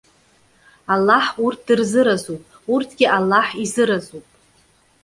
Аллаҳ урҭ дырзыразуп, урҭгьы Аллаҳ изыразуп.